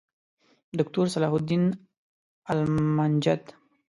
دوکتورصلاح الدین المنجد